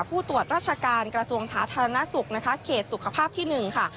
ผู้ตรวจราชการกระทรวงสาธารณสุขนะคะเขตสุขภาพที่๑ค่ะ